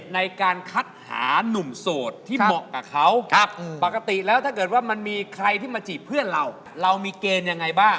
ในการคัดหานุ่มโสดที่เหมาะกับเขาปกติแล้วถ้าเกิดว่ามันมีใครที่มาจีบเพื่อนเราเรามีเกณฑ์ยังไงบ้าง